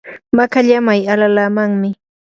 makallamay alalaamanmi.